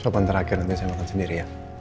suapan terakhir nanti saya makan sendiri ya